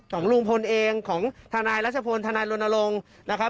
ของลุงพลเองของทนายรัชพลทนายรณรงค์นะครับ